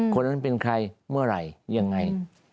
คนนั้นเป็นใครเมื่อไหร่ยังไง